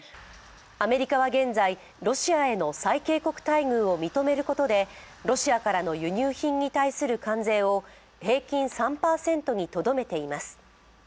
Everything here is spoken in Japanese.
アメリカは現在、ロシアへの最恵国待遇を認めることでロシアからの輸入品に対する関税を平均３％にとどめています。